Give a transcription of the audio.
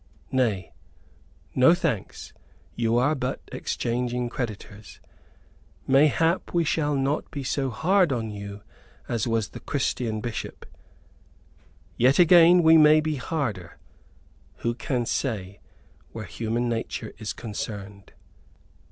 "Nay, no thanks; you are but exchanging creditors. Mayhap we shall not be so hard on you as was the Christian Bishop; yet again, we may be harder. Who can say, where human nature is concerned?"